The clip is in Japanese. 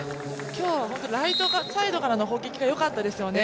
今日は本当にライト側、サイドからの攻撃がよかったですよね。